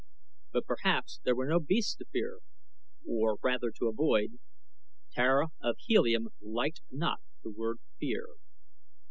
But perhaps there were no beasts to fear, or rather to avoid Tara of Helium liked not the word fear.